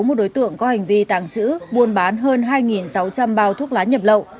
một đối tượng có hành vi tàng trữ buôn bán hơn hai sáu trăm linh bao thuốc lá nhập lậu